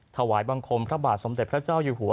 ถวายบังคมพระบาทสมเด็จพระเจ้าอยู่หัว